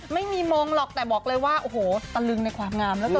ไม่มีมงหรอกแต่บอกเลยว่าโอ้โหตะลึงในความงามแล้วเกิน